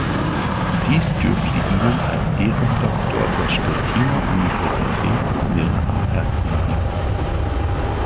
Dies dürfte Ihnen als Ehrendoktor der Stettiner Universität sehr am Herzen liegen.